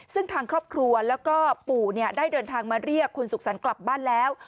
ซึ่งทางครอบครัวแล้วก็ปู่ได้เดินทางมาเรียกคุณสุขสรรค์กลับบ้านแล้ว